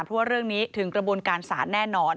เพราะว่าเรื่องนี้ถึงกระบวนการศาลแน่นอน